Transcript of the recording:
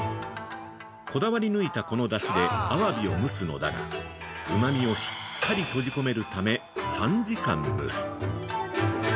こだわり抜いたこのだしでアワビを蒸すのだが、うまみをしっかり閉じ込めるため３時間蒸す。